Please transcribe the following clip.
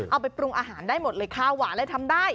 เอาไปปรุงอาหารได้หมดเลยข้าวหวานเลยทำได้